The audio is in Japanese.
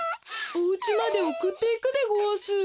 おうちまでおくっていくでごわす。